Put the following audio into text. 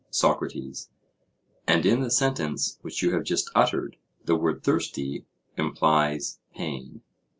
SOCRATES: And in the sentence which you have just uttered, the word "thirsty" implies pain?